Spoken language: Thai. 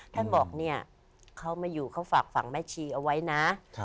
ท่านบอกเนี่ยเขามาอยู่เขาฝากฝั่งแม่ชีเอาไว้นะ